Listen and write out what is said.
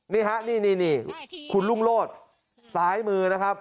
นี่ฮะนี่คุณรุ่งโลศซ้ายมือนะครับ